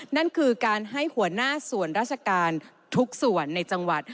นั่นคือการให้หัวหน้าส่วนราชการทุกส่วนในจังหวัด